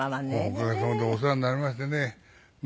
おかげさまでお世話になりましてね。